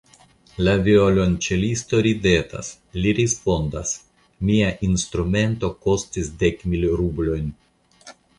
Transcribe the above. La violonĉelisto ridetas; li respondas: Mia instrumento kostis dek mil rublojn.